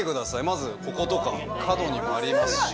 まずこことか角にもありますし